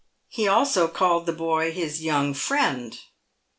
He also called the boy " his young friend."